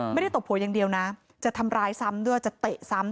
ตบหัวอย่างเดียวนะจะทำร้ายซ้ำด้วยจะเตะซ้ำ